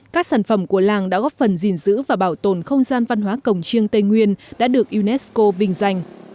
các sản phẩm của làng đã góp phần gìn giữ và bảo tồn không gian văn hóa cổng chiêng tây nguyên đã được unesco vinh danh